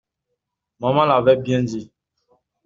Maman l'avait bien dit!